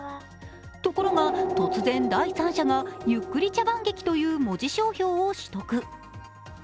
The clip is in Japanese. ところが突然第三者が「ゆっくり茶番劇」という文字商標を取得。